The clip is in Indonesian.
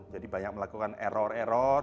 jadi banyak melakukan error error